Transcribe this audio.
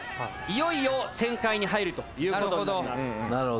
いよいよ旋回に入るという事になります。